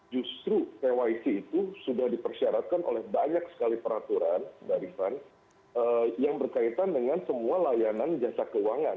justru kyc itu sudah dipersyaratkan oleh banyak sekali peraturan mbak rifan yang berkaitan dengan semua layanan jasa keuangan